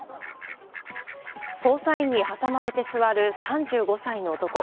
捜査員に挟まれて座る３５歳の男。